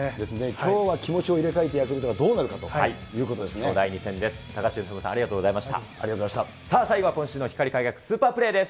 きょうは気持ちを切り替えてヤクルトがどうなるのかというところきょう第２戦です。